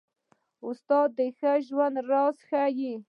استاد د ښه ژوند راز ښيي.